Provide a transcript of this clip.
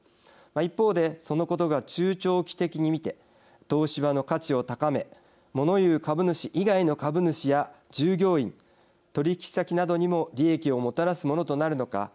一方でそのことが中長期的に見て東芝の価値を高めもの言う株主以外の株主や従業員、取引先などにも利益をもたらすものとなるのか。